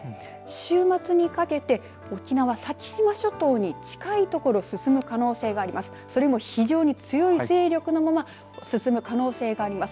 週末にかけて沖縄、先島諸島に近い所を進む可能性があります。